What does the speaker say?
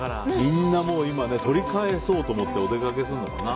みんな取り返そうと思ってお出かけするのかな。